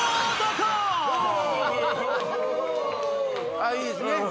あっいいですね